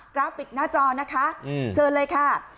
ราฟิกหน้าจอนะคะเชิญเลยค่ะ